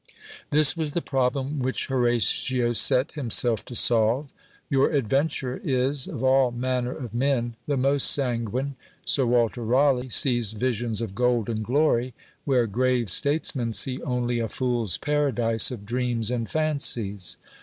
This was the problem which Horatio set himself to solve. Your adventurer is, of all manner of men, the most sanguine. Sir Walter Raleigh sees visions of gold and glory where grave statesmen see only a fool's paradise of dreams and fancies.